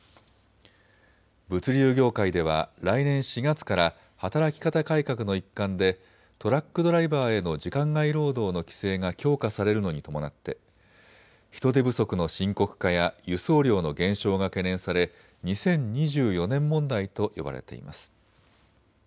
物流業界では来年４月から働き方改革の一環でトラックドライバーへの時間外労働の規制が強化されるのに伴って人手不足の深刻化や輸送量の減少が懸念され２０２４年問題と呼ばれています。